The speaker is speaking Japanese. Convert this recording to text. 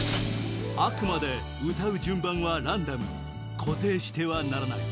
あくまで歌う順番はランダムに固定してはならない